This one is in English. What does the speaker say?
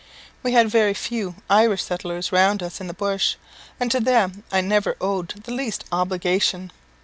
We had very few Irish settlers round us in the bush, and to them I never owed the least obligation.